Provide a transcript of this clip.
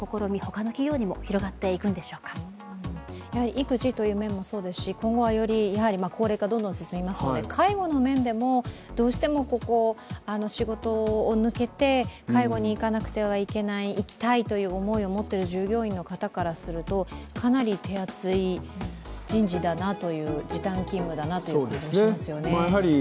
育児という面もそうですし今後は高齢化がどんどん進みますので介護の面でも、どうしてもここ仕事を抜けて介護に行かなくてはいけない、いきたいという思いを持っている従業員からするとかなり手厚い時点勤務だなという気がしますよね。